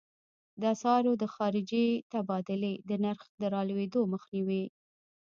د اسعارو د خارجې تبادلې د نرخ د رالوېدو مخنیوی.